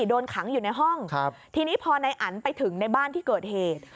โดนขังอยู่ในห้องครับทีนี้พอนายอันไปถึงในบ้านที่เกิดเหตุ